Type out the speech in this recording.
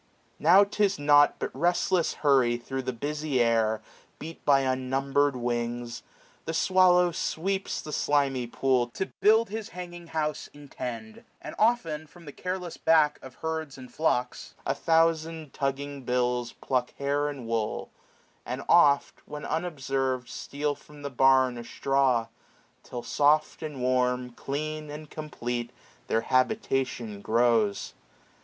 Now 'tis nought But restless hurry thro' the busy air, 650 Beat by unnumber'd wings. The swallow sweeps The slimy pool, to build his hanging house 36 SPRING. Intent. And often, from the careless back Of herds and flocks, a thousand tugging bills Pluck hair and wool j and oft, when unobservM, 6^$ Steal from the barn a straw: Till soft and warm. Clean, and complete, their habitation grows.